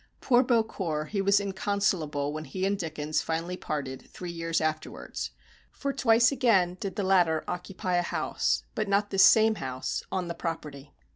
Poor Beaucourt, he was "inconsolable" when he and Dickens finally parted three years afterwards for twice again did the latter occupy a house, but not this same house, on "the property."